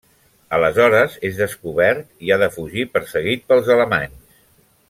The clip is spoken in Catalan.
Aleshores és descobert i ha de fugir perseguit pels alemanys.